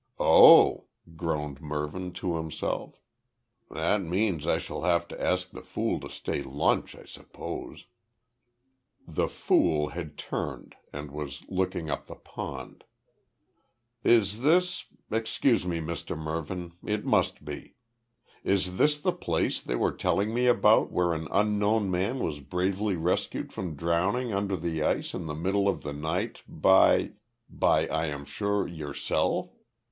"Oh," groaned Mervyn to himself. "That means I shall have to ask the fool to stay lunch, I suppose." "The fool" had turned, and was looking up the pond. "Is this excuse me, Mr Mervyn, it must be. Is this the place they were telling me about where an unknown man was bravely rescued from drowning under the ice in the middle of the night, by by, I am sure, yourself?"